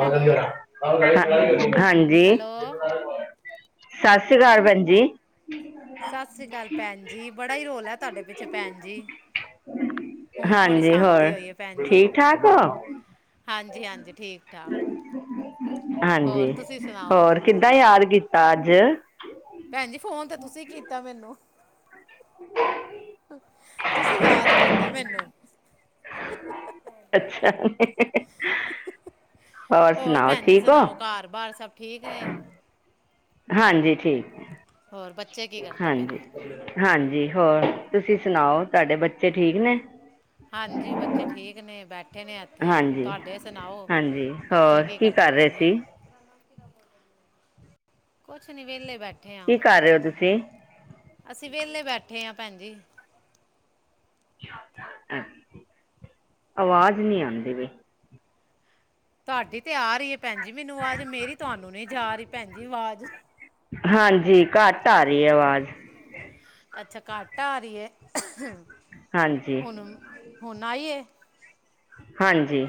Hello [inaudible] ਹਾਂਜੀ। Hello ਸਤਿ ਸ਼੍ਰੀ ਅਕਾਲ ਭੈਣ ਜੀ। ਸਤਿ ਸ੍ਰੀ ਅਕਾਲ ਭੈਣ ਜੀ ਬੜਾ ਹੀ ਰੋਲਾ ਹੈ। ਤੁਹਾਡੇ ਪਿੱਛੇ ਭੈਣ ਜੀ ਹੁਣ ਥੋੜ੍ਹੀ ਹਾਂਜੀ ਸ਼ਾਂਤੀ ਹੋਰ ਹੋਈ ਹੈ ਭੈਣ ਜੀ। ਠੀਕ ਠਾਕ ਹੋ ਹਾਂਜੀ-ਹਾਂਜੀ ਠੀਕ ਠਾਕ ਹੋਰ ਹਾਂਜੀ ਤੁਸੀਂ ਸੁਣਾਓ? ਹੋਰ ਕਿੱਦਾਂ ਯਾਦ ਕੀਤਾ ਅੱਜ। ਭੈਣਜੀ ਫੋਨ ਤੇ ਤੁਸੀਂ ਕੀਤਾ ਮੈਨੂੰ ਤੁਸੀਂ ਯਾਦ ਕੀਤਾ ਮੈਨੂੰ। ਅੱਛਾ ਜੀ। ਹੋਰ ਭੈਣ ਜੀ ਸੁਣਾਓ ਘਰ ਬਾਹਰ ਸਭ ਠੀਕ ਨੇ। ਹਾਂਜੀ ਠੀਕ ਹੋਰ ਬੱਚੇ ਕੀ ਹੈ ਕਰਦੇ ਪਏ ਹਾਂਜੀ। ਨੇ ਹਾਂਜੀ ਹੋਰ ਤੁਸੀਂ ਸੁਣਾਓ ਤੁਹਾਡੇ ਬੱਚੇ ਠੀਕ ਨੇ? ਹਾਂਜੀ ਬੱਚੇ ਠੀਕ ਨੇ ਬੈਠੇ ਨੇ ਇੱਥੇ, ਹਾਂਜੀ ਤੁਹਾਡੇ ਸੁਣਾਓ? ਹਾਂਜੀ ਬੱਚੇ ਹੋਰ ਕੀ ਕਰਦੇ ਕਰ ਪਏ ਰਹੇ ਸੀ ਨੇ ਕੁਛ ਨੀ ਵਿਹਲੇ ਬੈਠੇ। ਹਾਂ ਕੀ ਕਰ ਰਹੇ ਹੋ ਤੁਸੀਂ? ਅਸੀਂ ਵਿਹਲੇ ਬੈਠੇ ਹ ਭੈਣ ਜੀ। ਆਵਾਜ਼ ਨਹੀਂ ਆਉਂਦੀ ਪਈ। ਤੁਹਾਡੀ ਤੇ ਆ ਰਹੀ ਹੈ ਭੈਣ ਜੀ ਮੈਨੂੰ ਆਵਾਜ਼ ਮੇਰੀ ਤੁਹਾਨੂੰ ਨਹੀਂ ਜਾ ਰਹੀ ਭੈਣੀ ਆਵਾਜ਼। ਹਾਂਜੀ ਘੱਟ ਆ ਰਹੀ ਹੈ ਆਵਾਜ਼ ਅੱਛਾ ਘੱਟ ਆ ਰਹੀ ਹੈ ਹਾਂਜੀ ਹੁਣ ਹੋਣ ਆਈ ਹੈ। ਹਾਂਜੀ।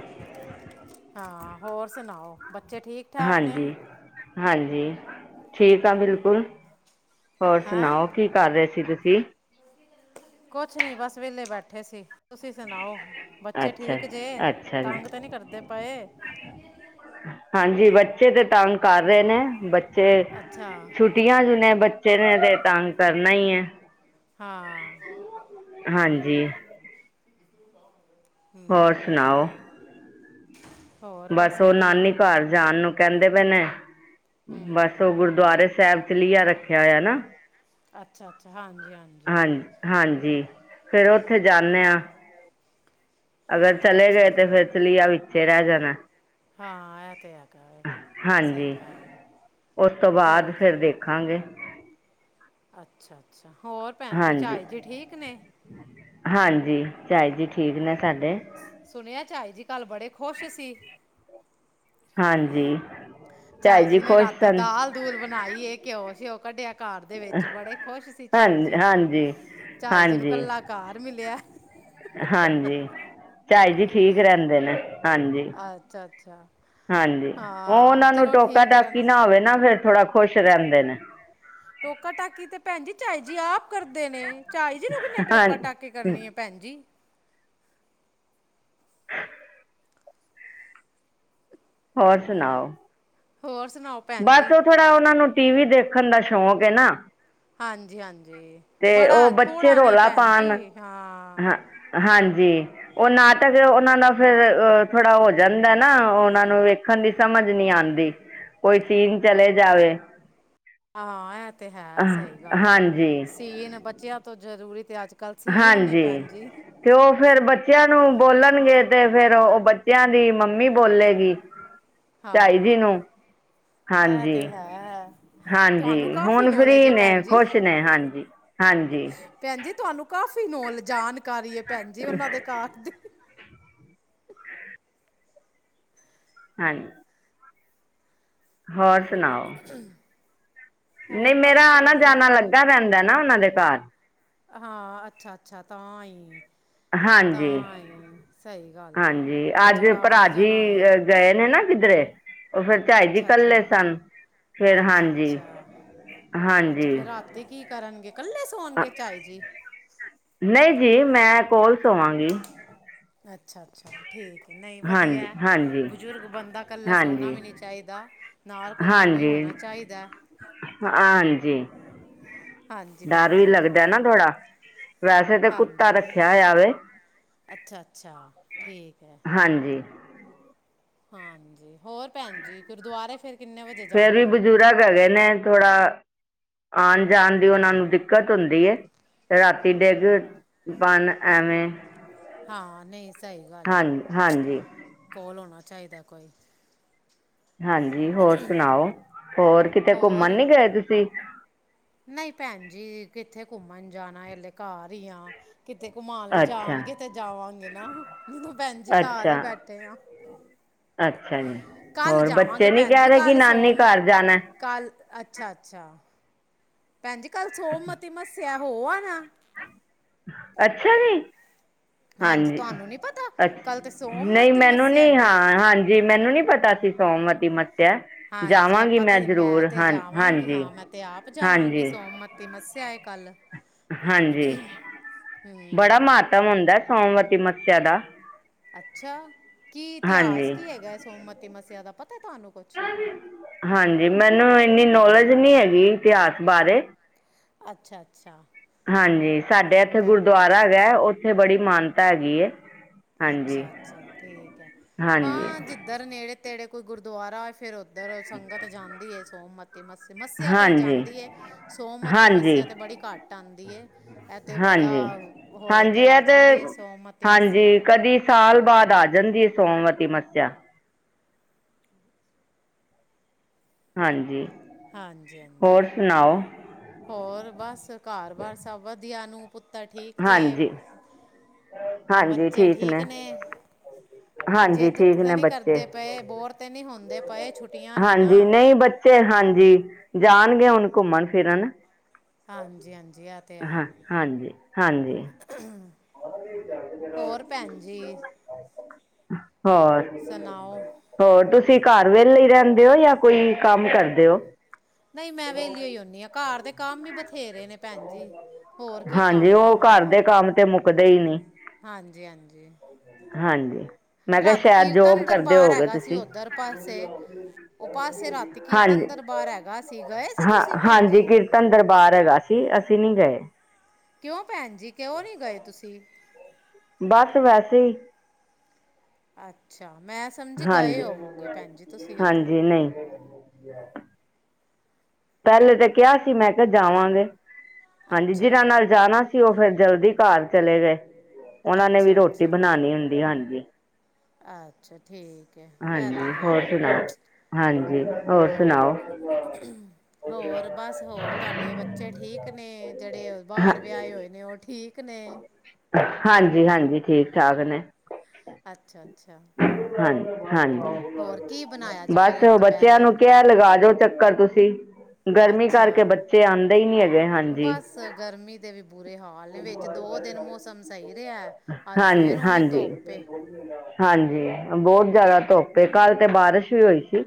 ਹਾਂ ਹੋਰ ਸੁਣਾਓ? ਬੱਚੇ ਠੀਕ ਠਾਕ ਨੇ ਹਾਂਜੀ-ਹਾਂਜੀ ਠੀਕ ਆ ਬਿਲਕੁਲ ਹੋਰ ਹੈਂ ਸੁਣਾਓ? ਕੀ ਕਰ ਰਹੇ ਸੀ ਤੁਸੀਂ ਕੁਛ ਨਹੀਂ ਬਸ ਵੇਹਲੇ ਬੈਠੇ ਸੀ। ਤੁਸੀਂ ਸੁਣਾਓ ਬੱਚੇ ਅੱਛਾ ਠੀਕ ਜੇ ਅੱਛਾ ਜੀ ਤੰਗ ਤਾਂ ਨਹੀਂ ਕਰਦੇ ਪਏ। ਹਾਂਜੀ ਬੱਚੇ ਤੇ ਤੰਗ ਕਰ ਰਹੇ ਨੇ ਬੱਚੇ ਅੱਛਾ ਛੁੱਟੀ ਤੀਆਂ ਜੁਨੇ ਬੱਚੇ ਨੇ ਤੇ ਤੰਗ ਕਰਨਾ ਹੀ ਹੈ। ਹਾਂਜੀ ਹਾਂ। ਹੋਰ ਸੁਣਾਓ? ਹੋਰ ਬਸ ਉਹ ਵਧੀਆ ਨਾਨੀ ਘਰ ਜਾਣ ਨੂੰ ਕਹਿੰਦੇ ਭੈਨ ਬਸ ਹੂੰ ਉਹ ਗੁਰਦੁਆਰੇ ਸਾਹਿਬ ਚ ਲੀਆ ਰੱਖਿਆ ਹੋਇਆ ਨਾ। ਅੱਛਾ ਅੱਛਾ, ਹਾਂਜੀ ਹਾਂਜੀ। ਹਾਂਜੀ ਫਿਰ ਉੱਥੇ ਜਾਂਦੇ ਹਾਂ। ਅਗਰ ਚਲੇ ਅੱਛਾ ਗਏ ਤੇ ਅੱਛਾ ਫਿਰ ਚਲੀਆ ਵਿੱਚੇ ਰਹਿ ਜਾਣਾ। ਹਾਂ ਇਹ ਤਾਂ ਹੈਗਾ ਹੈ ਸਹੀ ਹਾਂਜੀ ਗੱਲ ਹੈ, ਉਸ ਤੋਂ ਬਾਅਦ ਹੋਰ? ਫਿਰ ਦੇਖਾਂਗੇ। ਅੱਛਾ ਅੱਛਾ ਹੋਰ ਭੈਣ ਜੀ ਹਾਂਜੀ ਝਾਈ ਜੀ ਠੀਕ ਨੇ। ਹਾਂਜੀ ਝਾਈ ਜੀ ਠੀਕ ਨੇ ਸਾਡੇ। ਸੁਣਿਆ ਝਾਈ ਜੀ ਕੱਲ ਬੜੇ ਖ਼ੁਸ਼ ਸੀ। ਹਾਂਜੀ। ਝਾਈ ਜੀ ਨੇ ਰਾਤੀ ਦਾਲ ਦੂਲ ਬਣਾਈ ਇਹ ਘਿਓ ਸਿਓ ਕੱਢਿਆ ਘ ਦੇ ਵਿੱਚ ਬੜੇ ਖੁਸ਼ ਸੀ। ਝਾਈ ਹਾਂਜੀ ਜੀ ਹਾਂਜੀ। ਝਾਈ ਜੀ ਨੂੰ ਕਲਾ ਘਰ ਮਿਲਿਆ। ਹਾਂਜੀ, ਝਾਈ ਜੀ ਠੀਕ ਰੈਂਦੇ ਨੇ, ਹਾਂਜੀ, ਅੱਛਾ ਅੱਛਾ ਹਾਂਜੀ ਓ ਹਾਂ ਓਨਾਂ ਨੂੰ ਚਲੋ ਟੋਕਾ ਠੀਕ ਹੀ ਰਹਿਣ ਟਾਕੀ ਨਾ ਹੋਵੇ ਨਾ ਫਿਰ ਥੋੜਾ ਖੁਸ਼ ਰੈਂਦੇ ਨੇ। ਟੋਕਾ ਟਾਕੀ ਤੇ ਭੈਣ ਜੀ ਝਾਈ ਜੀ ਆਪ ਕਰਦੇ ਨੇ ਚਏ ਜੀ ਨੂੰ ਕਿੰਨੇ ਹਾਂ ਟੋਕਾ ਟਾਕੀ ਕਰਨੀ ਆ। ਭੈਂ ਜੀ [unintelligible] ਹੋਰ ਸੁਣਾਓ? ਹੋਰ ਸੁਣਾਓ? ਭੈਣ ਬਸ ਜੀ ਓ ਥੋੜਾ ਓਨਾ ਨੂੰ ਟੀ ਵੀ ਦੇਖਣ ਦਾ ਸ਼ੌਕ ਹੈ ਨਾ। ਹਾਂਜੀ -ਹਾਂਜੀ ਤੇ ਉਹ ਬੜਾ ਬੱਚੇ ਥੋੜਾ ਨੀ ਰੌਲਾ ਭੈਣ ਪਾਉਣ ਜੀ ਹਾਂ। ਹਾਂਜੀ। ਓ ਨਾਟਕ ਓਨਾਂ ਦਾ ਫਿਰ ਥੋੜਾ ਹੋ ਜਾਂਦਾ ਏ ਨਾ ਓਨਾਂ ਨੂੰ ਵੇਖਣ ਦੀ ਸਮਝ ਨਹੀਂ ਆਦੀ। ਕੋਈ ਸੀਨ ਚਲੇ ਜਾਵੇ ਆਂ ਏ ਤੇ ਹੈ ਅਹ, ਸਹੀ ਗੱਲ ਏ, ਹਾਂਜੀ ਸੀਨ ਬੱਚਿਆਂ ਤੋਂ ਜ਼ਰੂਰੀ ਤੇ ਅੱਜ ਕੱਲ੍ਹ ਸੀਨ ਨੇ ਹਾਂਜੀ। ਭੈਣ ਜੀ। ਤੇ ਓ ਫੇਰ ਬੱਚਿਆਂ ਨੂੰ ਬੋਲਣਗੇ ਤੇ ਫੇਰ ਓ ਬੱਚਿਆਂ ਦੀ ਮੰਮੀ ਬੋਲੇਗੀ। [inaudible] ਝਾਈ ਹਾਂ, ਜੀ ਨੂੰ [unintelligible] ਹਾਂਜੀ ਤੇ ਹੈ। ਹਾਂਜੀ, ਤੁਹਾਨੂੰ ਕਾਫ਼ੀ ਹੁਨ ਨੌਲੇਜ ਫਾਰੀ ਏ ਨੇ ਭੈਣ ਜੀ। ਖ਼ੁਸ਼ ਨੇ ਹਾਂਜੀ, ਹਾਂਜੀ। ਭੈਂ ਜੀ ਤੁਆਨੂੰ ਕਾਫ਼ੀ ਨੌਲ ਜਾਣਕਾਰੀ ਏ ਭੈਣ ਜੀ ਓਨਾਂ ਦੇ ਘ ਹਾਂਜੀ। ਹੋਰ ਸੁਣਾਓ? ਨੀ ਹੋਰ ਬਸ ਮੇਰਾ ਨਾ ਵਧੀਆ। ਜਾਣਾ ਲੱ ਦਾ ਰੈਂਦਾ ਨਾ ਓਨਾਂ ਦੇ ਘਰ। ਹਾਂ ਅੱਛਾ -ਅੱਛਾ ਤਾਂ ਈ। ਹਾਂਜੀ, ਤਾਂ ਈ ਸਹੀ ਗੱਲ ਏ ਹਾਂਜੀ ਉਹ ਅੱਜ ਥੋੜ੍ਹਾ ਭਰਾ ਆਣਾ ਜੀ ਜਾਣਾ ਹੋਏ। ਗਏ ਨੇ ਨਾ ਕਿਧਰੇ ਓ ਫੇਰ ਝਾਈ ਜੀ ਅੱਛਾ ਕੱਲੇ ਅੱਛਾ ਸਨ। ਫਿਰ ਅੱਛਾ ਹਾਂਜੀ -ਅੱਛਾ, ਅੱਛਾ ਹਾਂਜੀ ਫਿਰ ਰਾਤੀ ਕੀ ਕਰਨਗੇ ਕੱਲੇ ਸੌਣਗੇ ਝਾਈ ਜੀ? ਨਈ ਜੀ ਮੈਂ ਕੋਲ ਸੋਵਾਂਗੀ। ਅੱਛਾ -ਅੱਛਾ। ਠੀਕ ਐ ਨਈ ਹਾਂਜੀ ਵਧੀਆ ਹਾਂਜੀ ਬਜ਼ੁਰਗ ਬੰਦਾ ਕੱਲਾ ਸੋਣਾ ਹਾਂਜੀ ਵੀ ਨੀ ਚਾਈਦਾ। ਨਾਲ ਕੋਈ ਨਾ ਕੋਈ ਹੋਣਾ ਚਾਈਦਾ। ਆਂਜੀ, ਹਾਂਜੀ ਭੈਣ ਡਰ ਵੀ ਜੀ ਲੱਗਦਾ ਨਾ ਥੋੜਾ। ਵੈਸੇ ਤੇ ਕੁੱਤਾ ਰੱਖਿਆ ਹੋਇਆ ਵੇ। ਅੱਛਾ-ਅੱਛਾ ਠੀਕ ਐ। ਹਾਂਜੀ। ਹਾਂਜੀ ਹੋਰ ਭੈਨ ਜੀ ਗੁਰਦੁਆਰੇ ਫੇਰ ਕਿੰਨੇ ਵ ਫੇਰ ਵੀ ਬਜ਼ੁਰਗ ਹੈ ਗੇ ਨੇ ਥੋੜਾ ਆਣ ਜਾਣ ਦੀ ਓਨਾ ਨੂੰ ਦਿੱਕਤ ਹੁੰਦੀ ਏ। ਰਾਤੀ ਡਿਗ, ਬਨ ਐਂਵੇ ਹਾਂ ਨਈ ਸਈ ਗੱਲ ਐ ਹਾਂਜੀ ਕੋਲ ਹੋਣਾ ਚਾਈਦਾ ਕੋਈ। ਹਾਂਜੀ ਹੋਰ ਸੁਣਾਓ? ਹੋਰ ਕਿਤੇ ਘੁੰਮਣ ਨੀ ਗਏ ਤੁਸੀਂ। ਨਈ ਭੈਣ ਜੀ ਕਿੱਥੇ ਘੁੰਮਣ ਜਾਣਾ ਏ ਅਲੇ ਘਰ ਹੀ ਆ ਕਿਤੇ ਘੁਮਾਣ ਅੱਛਾ ਲੈਜਾਣਗੇ ਤੇ ਜਾਵਾਂਗੇ ਨਾ ਜਦੋ ਭੈਣ ਜੀ ਕਾਰ ਅੱਛਾ ਈ ਬੈਠੇ ਆ। ਅੱਛਾ ਜੀ, ਕੱਲ ਹੋਰ ਬੱਚੇ ਜਾਵਾਂਗੇ ਨੀ ਭੈਣ ਕੈ ਜੀ ਰ ਕਿ ਕੱਲ ਨਾਨੀ ਸੋਮ ਘਾਰ ਜਾਣਾ ਆ। ਕੱਲ ਅੱਛਾ ਅੱਛਾ ਭੈਣ ਜੀ, ਕੱਲ ਸੋਮਤੀ ਮੱਸਿਆ ਹੋ ਆ ਨਾ ਅੱਛਾ ਜੀ। ਹਾਂਜੀ, ਤੁਹਾਨੂੰ ਨੀ ਪਤਾ ਅੱਛ ਕੱਲ ਤੇ ਨਈ ਸੋਮਤੀ ਮੈਨੂੰ ਮੱਸਿਆ ਨੀ ਆ ਹੈਗੀ ਏ ਹਾਂਜੀ ਮੈਨੂੰ ਨੀ ਪਤਾ ਸੋਮਤੀ ਮ ਹਾਂਜੀ ਆਪਾਂ ਤੇ ਮੈਂ ਤੇ ਹਾਂ ਜਾਵਾਂਗੀ ਹਾਂਜੀ ਹਾਂ ਮੈਂ ਤੇ ਆਪ ਜਾਵਾਂਗੀ ਹਾਂਜੀ ਸੋਮ ਤੇ ਮੱਸਿਆ ਏ ਕੱਲ। ਹਾਂਜੀ, ਬੜਾ ਹੂੰ ਮਾਤਵ ਹੁੰਦਾ ਏ ਸੋਮਵਤੀ ਮੱਸੇਆ ਦਾ। ਅੱਛਾ, ਕੀ ਇਤਿਹਾਸ ਹਾਂਜੀ ਕੀ ਹੈਗਾ ਏ, ਸੋਮਤੀ ਮੱਸੇਆ ਦਾ ਪਤਾ ਐ ਤੋਆਨੂੰ ਕੋਛ ਹਾਂਜੀ, ਮੈਨੂੰ ਇੰਨੀ ਨੋਲੇਜ ਨੀ ਹੈਗੀ ਇਤਿਆਸ ਬਾਰੇ। ਅੱਛਾ, ਅੱਛਾ। ਹਾਂਜੀ, ਸਾਡੇ ਐਥੇ ਮੈਂ ਗੁਰਦੋਆਰਾ ਹੈਗਾ, ਓਥੇ ਬੜੀ ਮਾਨਤਾ ਹੈਗੀ ਏ। ਅੱਛਾ-ਅੱਛਾ ਠੀਕ ਏ ਹਾਂਜੀ ਹਾਂ, ਜਿੱਧਰ ਨੇੜੇ-ਤੇੜੇ ਕੋਈ ਗੁਰਦੁਆਰਾ ਹੋ ਫੇਰ ਓਧਰ ਸੰਗਤ ਜਾਂਦੀ ਏ ਸੋਮਤ ਤੇ ਮੱਸ, ਮੱਸੇਆ ਤੇ ਈ ਹਾਂਜੀ ਜਾਂਦੀ ਏ ਸੋਮਤੀ ਹਾਂਜੀ ਮੱਸੇਆ ਤੇ ਬੜੀ ਘਾੱਟ ਆਂਦੀ ਏ। ਐ ਤੇ ਬੜਾ ਹਾਂਜੀ ਹੋਏ ਹਾਂਜੀ ਤੇ ਇਹ ਆ ਜਾਂਦੀ ਏ ਸੋਮਤੀ ਮੱਸੇਆ ਹਾਂਜੀ ਕਦੀ ਸਾਲ ਬਾਦ ਆ ਜਾਂਦੀ, ਸੋਮਵਤੀ ਮੱਸੇਆ। ਹਾਂਜੀ। ਹਾਂਜੀ, ਹਾਂਜੀ ਹੋਰ ਸੁਣਾਓ ਹੋਰ ਬਾੱਸ ਘਾੱਰ ਬਾਰ ਸਭ ਵਦੀਆ ਨੂੰ ਪੁੱਤਰ ਠੀਕ ਜੇ, ਹਾਂਜੀ ਬੱਚੇ ਠੀਕ ਨੇ। ਹਾਂਜੀ ਜੇੱਦ ਠੀਕ ਤੇ ਨੇ ਨੀ ਬੱਚੇ ਕਰਦੇ ਪਏ, ਬੋਰ ਤੇ ਨੀ ਹੋਂਦੇ ਪਏ ਛੁੱਟੀਆਂ ਨੇ ਨਾ ਨਈ ਬੱਚੇ ਹਾਂਜੀ, ਜਾਨਗੇ ਹੁਨ ਘੁੰਮਨ ਫਿਰਨ ਹਾਂਜੀ, ਹਾਂਜੀ ਐ ਤੇ ਹੈ। ਹਾਂ ਹਾਂਜੀ, ਹਾਂਜੀ। [inaudible] ਹੋਰ ਭੈਣ ਜੀ [unintelligible] ਹੋਰ ਸਨਾਓ ਹੋਰ ਤੁਸੀ ਘਾੱਰ ਵੇਲੇ ਈ ਰੈਂਦੇ ਓ, ਯਾ ਕੋਈ ਕਾੰਮ ਕਰਦੇ ਓ। ਨਈ ਮੈਂ ਵਲੀਯੋ ਈ ਹੋਨੀ ਆਂ, ਘਾੱਰ ਦੇ ਕਾੰਮ ਵੀ ਬਥ ਬਥੇਰੇ ਨੇ ਪੈਂਜੀ, ਹੋਰ ਕੀ ਕਾੰਮ ਪਾਵਾਂ ਮੈਂ ਕਾੰਮ ਤੇ ਮੁ ਦੇਈ ਨੀ ਹਾਂਜੀ, ਹਾਂਜੀ। ਹਾਂਜੀ, ਮੈਂ ਕੇਆ ਰਾਤੀ ਸ਼ੈਦ ਜੋਬ ਕੀਰਤਨ ਕਰਦੇ ਦਰਬਾਰ ਹੋਗੇ ਹੈਗਾ ਸੀ ਤੁਸੀ ਉੱਧਰ ਪਾਸੇ ਉਹ ਪਾਸੇ ਰਾਤੀ ਕੀਰਤਨ ਹਾਂਜੀ, ਦਰਬਾਰ ਹੈਗਾ ਸੀ ਗਏ ਸੀ ਹਾਂ ਤੁਸੀਂ ਭੈਣ ਹਾਂਜੀ ਜੀ ਕੀਰਤਨ ਦਰਬਾਰ ਹੈਗਾ ਕੀ ਅਸੀ ਨੀ ਗਏ। ਕਯੋਂ ਪੈਂਜੀ, ਕਯੋਂ ਨੀ ਗਏ ਤੁਸੀ ਬਾੱਸ ਵੈਸੇ ਈ ਅੱਛਾ, ਮੈਂ ਸਮਜੀ ਗਏ ਹਾਂਜੀ ਹੋਵੋਗੇ ਪੈਂਜੀ ਤੁਸੀਂ ਓਥੇ ਹਾਂਜੀ ਨਹੀਂ ਪੈਲੇ ਤੇ ਕੇਆ ਸੀ, ਮੈਂ ਕੇਆ ਜਾਵਾਂਗੇ। ਹਾਂਜੀ, ਅੱਛਾ ਜਿਨਾਂ ਨਾਲ ਜਾਨਾ ਸੀ ਓ ਫੇਰ ਜਲਦੀ ਘਾੱਰ ਚਲੇ ਗਏ, ਓਨਾ ਨੇ ਵੀ ਅੱਛਾ ਰੋਟੀ ਅੱਛਾ ਬਨਾਨੀ ਹੋਂਦੀ ਹਾਂਜੀ। ਅੱਛਾ ਠੀਕ ਏ, ਐ ਤੇ ਹਾਂਜੀ ਹੈ ਹੋਰ ਹੁਨ ਸੁਣਾਓ ਹਾਂਜੀ, ਹੋਰ ਸੁਨਾਓ ਹੋਰ ਬਾੱਸ ਹੋਰ ਤੋਆਡੇ ਬੱਚੇ ਠੀਕ ਨੇ, ਜੇੜੇ ਬਾਰ ਹਾਂ ਵੇਆਏ ਹੋਏ ਨੇ ਓ ਠੀਕ ਨੇ ਹਾਂਜੀ, ਹਾਂਜੀ ਠੀਕ ਠਾਕ ਨੇ ਅੱਛਾ, ਅੱਛਾ। ਹਾਂਜੀ, ਹੋਰ ਕੀ ਬਣਾਇਆ ਹਾਂਜੀ। ਜੇ ਬਾੱਸ ਫਿਰ ਅੱਜ ਓ ਬੱਚੇਆਂ ਦੁਪਹਿਰੇ ਨੂੰ ਕੇਆ ਲੱਗਾ ਜੋ ਚੱਕਰ ਤੁਸੀ, ਗਰਮੀ ਕਾਰਕੇ ਬੱਚੇ ਆਂਦੇ ਈ ਨੀ ਹੈਗੇ ਹਾਨ ਬਾੱਸ ਗਰਮੀ ਦੇ ਵੀ ਬੁਰੇ ਹਾਲ ਨੇ, ਵੇਚ ਦੋ ਦੇਨ ਮੋਸਮ ਸੲਈ ਰੇਆ। ਅਆੱਜ ਹਾਂਜੀ ਫੇਰ ਓਵੇਂਈ ਹਾਂਜੀ ਧੋਪ ਏ। [inaudible] ਹਾਂਜੀ, ਬੋਤ ਜਾਦਾ ਧੋਪ ਏ, ਕਾੱਲ ਤੇ ਬਾਰਸ਼ ਵੀ ਹੋਈ ਸੀ।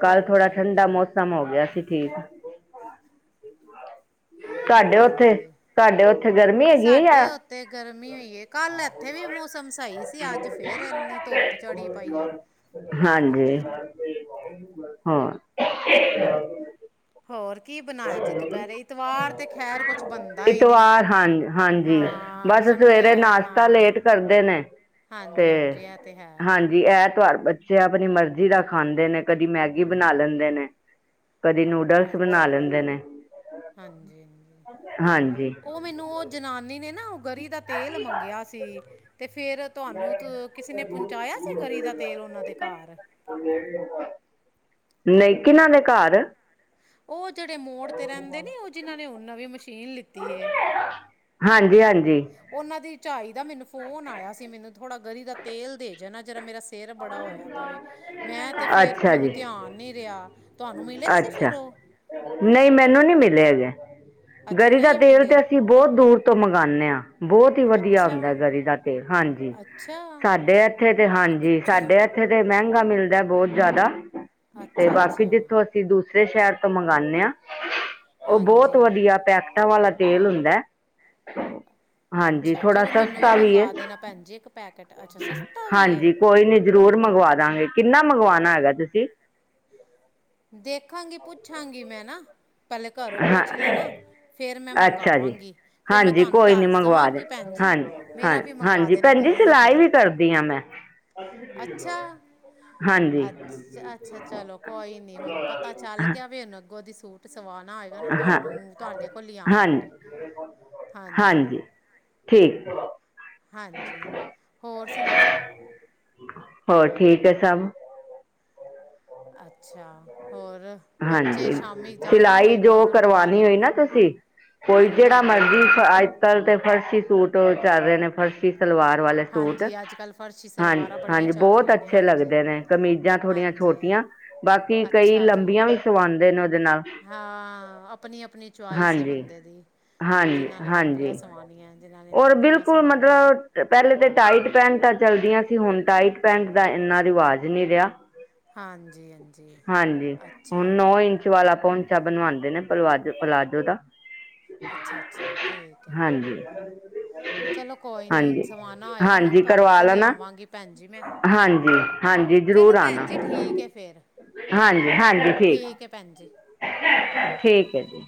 ਕਾੱਲ ਹਾਂਜੀ ਥੋੜਾ ਠੰਡਾ ਹਾਂਜੀ ਮੋਸਮ ਹੋਗੇਆ ਸੀ ਠੀਕ ਤੋਆਡੇ ਓਥੇ, ਹਾਂਜੀ ਤੋਆਡੇ ਸਾਡੇ ਓਥੇ ਗਰਮੀ ਓਈਏ, ਕਾੱਲ ਐਥੇ ਵੀ ਮੋਸਮ ਸਈ ਸੀ ਆੱਜ ਫੇਰ ਐਨੀ ਧੋਪ ਚੜੀ ਪਾਈ ਏ। ਹਾਂਜੀ ਹੋ। ਹੋਰ ਕੀ ਬਣਾਇਆ ਜੇ ਦੁਪਹਿਰੇ ਇਤਵਾਰ ਤੇ ਖੈਰ ਕੁਛ ਬਣਦਾ ਹੀ ਨਹੀਂ। ਇਤਵਾਰ ਹਾਂ ਹਾਂਜੀ ਹਾਂ ਬਸ ਸੰਡੇ ਸਵੇਰੇ ਆ ਨਾਸ਼ਤਾ ਹਾਂ। ਲੇਟ ਕਰਦੇ ਨੇ ਤੇ ਹਾਂਜੀ ਹਾਂਜੀ ਇਹ ਤੇ ਹੈ ਹਾਂਜੀ। ਜੀ ਐ ਤਵਾਰ ਬੱਚੇ ਆਪਣੀ ਮਰਜ਼ੀ ਦਾ ਖਾਂਦੇ ਨੇ ਕਦੀ ਮੈਗੀ ਬਣਾ ਲੈਂਦੇ ਨੇ ਕਦੇ ਨੂਡਲਸ ਬਣਾ ਅੱਛਾ ਲੈਂਦੇ ਨੇ ਹਾਂਜੀ। ਹਾਂਜੀ। ਉਹ ਮੈਨੂੰ ਉਹ ਜਨਾਨੀ ਨੇ ਨਾ ਉਹ ਗਰੀ ਦਾ ਤੇਲ ਮੰਗਿਆ ਸੀ ਤੇ ਫੇਿਰ ਤੁ ਹਾਨੂੰ ਕਿਸੇ ਨੇ ਪਹੁੰਚਾਇਆ ਸੀ ਗਰੀ ਦਾ ਤੇਲ ਉਹਨਾਂ ਦੇ ਘਰ। ਹਾਂ, ਦੇ ਵੀਦਾ। ਨਹੀ ਕਿਨਾਂ ਦੇ ਘਰ। ਉਹ ਜਿਹੜੇ ਮੋੜ ਤੇ ਰਹਿੰਦੇ ਨੇ ਉਹ ਜਿਨਾਂ ਨੇ ਉਹ ਨਵੀ ਮਸ਼ੀਨ ਲਿਤੀ ਹਾਂਜੀ ਹਾਂਜੀ ਉਹਨਾਂ ਦੀ ਝਾਈ ਦਾ ਮੈਨੂੰ ਫੋਨ ਆਇਆ ਸੀ ਮੈਨੂੰ ਥੋੜਾ ਗਰੀ ਦਾ ਤੇਲ ਦੇਂ ਜਾਨਾ, ਜਿਰਾ ਮੇਰਾ ਸਿਰ ਬੜਾ ਹੋਇਆ। ਮੈਂ ਤੇ ਫੇਰ ਅੱਛਾ ਮੈਨੂੰ ਜੀ ਧਿਆਨ ਨੀ ਰਿਹਾ। ਤੁਹਾਨੂੰ ਮਿਲੇ ਸੀ ਫੇਿਰ ਅੱਛਾ ਉਹ। ਨਹੀਂ ਮੈਨੂੰ ਨਹੀਂ ਮਿਲੇ ਜੇ ਅੱਛਾ ਗਰੀ ਦਾ ਨਹੀਂ ਤੇਲ ਤੇ ਮਿਲੇ ਅਸੀਂ ਬਹੁਤ ਦੂਰ ਤੋਂ ਮੰਗਵਾਉਂਦੇ ਹਾਂ ਬਹੁਤ ਹੀ ਵਧੀਆ ਹੁੰਦਾ ਅੱਛਾ ਗਰੀ ਦਾ। ਹਾਂਜੀ ਅੱਛਾ, ਸਾਡੇ ਇੱਥੇ ਤੇ ਹਾਂਜੀ ਸਾਡੇੱ ਇੱਥੇ ਤੇ, ਮਹਿੰਗਾ ਮਿਲਦਾ ਬਹੁਤ ਜ਼ਿਆਦਾ। ਤੇ ਬਾਕੀ ਅੱਛਾ-ਅੱਛਾ, ਜਿੱਥੋਂ, ਅਸੀਂ ਦੂਸਰੇ ਸ਼ਹਿਰ ਤੋਂ ਮੰਗਵਾਉਦੇ ਹਾਂ। ਉਹ ਬਹੁਤ ਹਾਂਜੀ। ਵਧੀਆ ਪੈਕਟਾਂ ਵਾਲਾ ਤੇਲ ਹੁੰਦਾ। ਹਾਂਜੀ ਅੱਛਾ, ਥੋੜਾ ਚਲੋ ਮੈਨੂੰ ਸਸਤਾ ਵੀ ਮੰਗਵਾ ਦੇਣਾ ਭੈਣ ਜੀ ਇੱਕ ਪੈਕੇਟ ਅੱਛਾ ਸਸਤਾ ਵੀ ਏ। ਹਾਂਜੀ। ਕੋਈ ਨੀ ਜ਼ਰੂਰ ਮੰਗਵਾ ਦਾਂਗੇ ਕਿੰਨਾ ਮੰਗਵਾਉਣਾ ਹੈਗਾ ਤੁਸੀਂ? ਦੇਖਾਂਗੀ ਪੁੱਛਾਂਗੀ ਮੈਂ ਨਾ ਪਹਿਲੇ ਘਰੋਂ ਹਾਂ ਪੁੱਛ ਲੈ ਨਾ ਫੇਰ ਮੈਂ ਅੱਛਾ ਜੀ ਮੰਗਾਵਾਂਗੀ ਫੇਰ ਮੈਂ ਹਾਂਜੀ ਤੁਹਾਨੂੰ ਕੋਈ ਨੀ ਦੱਸ ਮੰਗਵਾ ਦੇ ਦੇਵਾਂਗੀ ਭੈਣ ਜੀ। ਹਾਂਜੀ ਹਾਂ। ਮੇਰਾ ਵੀ ਮੰਗਵਾ ਹਾਂਜੀ ਦੇਣਾ ਭੈਣਜੀ ਗਰੀ ਦਾ ਸਿਲਾਈ ਤੇਲ ਵੀ ਕਰਦੀ ਹਾਂ ਮੈਂ। ਹਾਂਜੀ ਅੱਛ ਅੱਛਾ ਚਲੋ ਕੋਈ ਨੀ। ਹੁਣ ਪਤਾ ਚੱਲ ਹਾਂ ਗਿਆ ਵੇ ਉਹਨ ਅੱਗੋਂ ਦੀ ਸੂਟ ਸਵਾ ਹੋਏਗਾ ਨਾ ਹਾਂ ਤੁਹਾਨੂੰ ਤੁਹਾਡੇ ਕੋਲ ਹਾਂ ਆਵਾਂਗੀ ਹਾਂਜੀ। ਠੀਕ। ਹਾਂਜੀ ਹੋਰ ਸੁਣਾਓ? ਹੋਰ ਠੀਕ ਹੈ ਸਭ। ਅੱਛਾ ਹੋਰ। ਬੱਚੇ ਹਾਂਜੀ ਸ਼ਾਮੀ ਜਾਣਾ ਸਿਲਾਈ ਹੋਏਗਾ ਜੋ ਗੁਰਦੁਆਰੇ ਕਰਵਾਣੀ ਹੋਈ ਗੁਰਦ ਨਾ ਤੁਸੀਂ ਕੋਈ ਹਾਂਜੀ ਜਿਹੜਾ ਮਰਜੀ ਹਾਂਜੀ ਅੱਜ ਕੱਲ੍ਹ ਤੇ ਫਰਸ਼ੀ ਸੂਟ ਚੱਲ ਰਹੇ ਨੇ ਫ਼ਰਸ਼ ਸਲਵਾਰ ਵਾਲੇ ਸੂਟ ਹਾਂਜੀ ਅੱਜ ਕੱਲ੍ਹ ਫਰਸ਼ੀ ਹਾਂ ਸਲਵਾਰਾਂ ਬੜੀਆਂ ਹਾਂਜੀ ਚੱਲ ਬਹੁਤ ਰਹੀਆਂ ਨੇ ਅੱਛੇ ਹਾਂਜੀ ਹਾਂਜੀ ਲੱਗਦੇ ਨੇ। ਕਮੀਜ਼ਾਂ ਥੋੜੀਆਂ ਹਾਂਜੀ ਛੋਟੀਆਂ ਬਾਕੀ ਕਈ ਅੱਛਾ ਜੀ ਲੰਬੀਆਂ ਵੀ ਸਵਾਉਂਦੇ ਨੇ ਉਹਦੇ ਨਾਲ ਹਾਂ ਆਪਣੀ ਆਪਣੀ ਚੁਆਇਸ ਹੈ ਹਾਂਜੀ ਬੰਦੇ ਦੀ ਹਾਂਜੀ ਜਿਨ੍ਹਾਂ ਨੇ ਲੰਬੀਆਂ ਹਾਂਜੀ ਸਵਾਨੀਆਂ ਜਿਨ੍ਹਾਂ ਨੇ ਔਰ ਛੋਟੀਆਂ ਬਿਲਕੁਲ ਸਵਾਉਣੀਆਂ। ਮਤਲਬ ਪਹਿਲੇ ਤੇ ਟਾਈਟ ਪੈਂਟਾਂ ਚੱਲਦੀਆਂ ਸੀ ਹੁਣ ਟਾਈਟ ਪੈਂਟ ਦਾ ਇੰਨਾ ਰਿਵਾਜ਼ ਨਹੀਂ ਰਿਹਾ। ਹਾਂਜੀ ਹਾਂਜੀ। ਹਾਂਜੀ ਹੁਣ ਅੱਛਾ ਨੌ ਇੰਚ ਵਾਲਾ ਪਾਉਂਚਾ ਬਣਵਾਉਂਦੇ ਨੇ ਪਲਵਾਜੋ ਪਲਾਜੋ ਦਾ ਅੱਛਾ ਅੱਛਾ ਠੀਕ ਹੈ। ਹਾਂਜੀ ਚਲੋ ਕੋਈ ਨੀ ਹੁਣ ਹਾਂਜੀ ਸਵਾਣਾ ਹੋਏਗਾ ਨਾ ਹਾਂਜੀ ਤੁਹਾਡੇ ਕਰਵਾ ਕੋਲ ਹੀ ਲੈਣਾ ਆਵਾਂਗੀ ਭੈਣ ਜੀ ਮੈਂ ਹਾਂਜੀ ਹਾਂਜੀ ਜ਼ਰੂਰ ਚਲੋ ਭੈਣ ਆਣਾ। ਜੀ ਠੀਕ ਹੈ ਫਿਰ ਹਾਂਜੀ ਹਾਂਜੀ, ਠੀਕ ਹੈ ਭੈਣ ਜੀ ਠੀਕ ਐ ਜੀ।